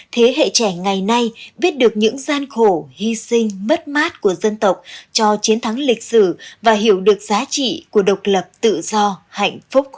thế hệ trẻ ngày nay biết được những gian khổ hy sinh mất mát của dân tộc cho chiến thắng lịch sử và hiểu được giá trị của độc lập tự do hạnh phúc của nhân dân